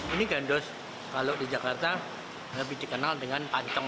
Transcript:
ini gandos kalau di jakarta lebih dikenal dengan panteng